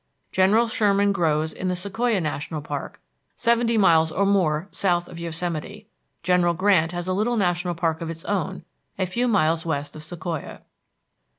General Sherman grows in the Sequoia National Park, seventy miles or more south of Yosemite; General Grant has a little national park of its own a few miles west of Sequoia.